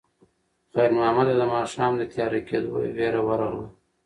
خیر محمد ته د ماښام د تیاره کېدو وېره ورغله.